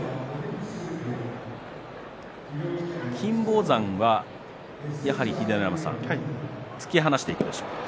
金峰山は、やはり突き放していくでしょうか。